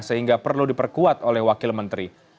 sehingga perlu diperkuat oleh wakil menteri